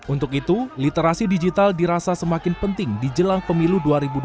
untuk itu literasi digital dirasa semakin penting di jelang pemilu dua ribu dua puluh